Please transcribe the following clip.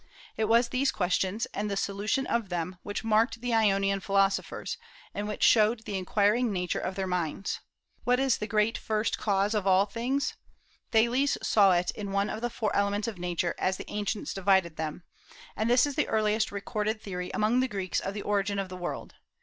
It was these questions, and the solution of them, which marked the Ionian philosophers, and which showed the inquiring nature of their minds. What is the great first cause of all things? Thales saw it in one of the four elements of Nature as the ancients divided them; and this is the earliest recorded theory among the Greeks of the origin of the world.